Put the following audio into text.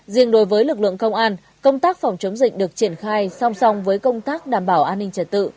riêng đối với lực lượng công an công tác phòng chống dịch được triển khai song song với công tác đảm bảo an ninh trật tự